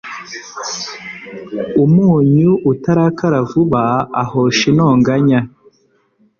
umunyu utarakara vuba ahosha intonganya